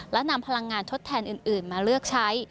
และนำพลังงานทดแทนอื่นมาเลือกใช้